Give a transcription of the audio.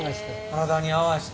体に合わして。